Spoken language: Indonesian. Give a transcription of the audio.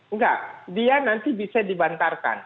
enggak dia nanti bisa dibantarkan